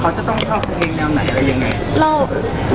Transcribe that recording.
เขาจะต้องชอบเพลงแนวไหนหรือยังไง